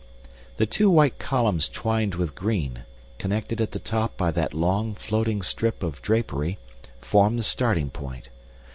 The two white columns twined with green, connected at the top by that long, floating strip of drapery, form the starting point.